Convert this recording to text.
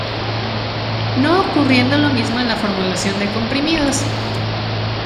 No ocurriendo lo mismo en la formulación de comprimidos.